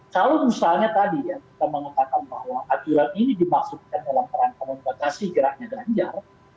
kalau misalnya tadi kita mengatakan bahwa aturan ini dimaksudkan dalam perangkat membatasi geraknya gajar